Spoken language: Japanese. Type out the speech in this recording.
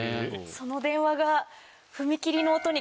その電話が。